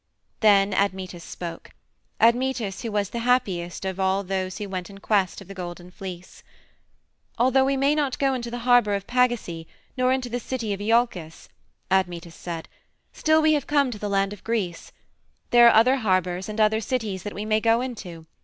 Then Admetus spoke Admetus who was the happiest of all those who went in quest of the Golden Fleece. "Although we may not go into the harbor of Pagasae, nor into the city of Iolcus," Admetus said, "still we have come to the land of Greece. There are other harbors and other cities that we may go into.